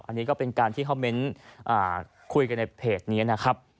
อันนี้ก็เป็นการที่คอมเมนต์คุยกันในเพจนี้นะครับ